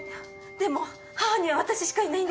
でも母には私しかいないんです。